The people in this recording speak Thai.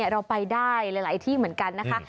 เราไปได้หลายที่เหมือนกันนะคะ